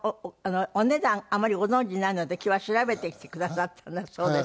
お値段あまりご存じないので今日は調べてきてくださったんだそうですけど。